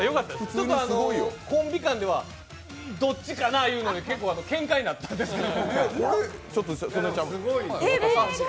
コンビ間ではどっちかなというのでけんかなったんですけど。